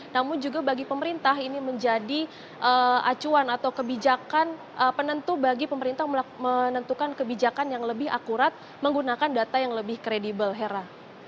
namun juga bagi pemerintah ini menjadi acuan atau kebijakan penentu bagi pemerintah menentukan kebijakan yang lebih akurat menggunakan data yang lebih kredibel hera